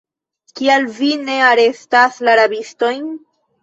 Kial vi ne arestas la rabistojn?